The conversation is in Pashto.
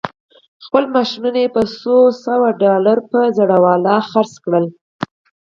خپل ماشينونه يې په څو سوه ډالر پر کباړي وپلورل.